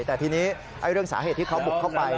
แต่ทีนี้เรื่องสาเหตุที่เขาบุกเข้าไป